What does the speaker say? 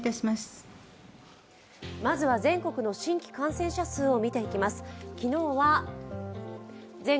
まずは全国の新規感染者数を見ていきます。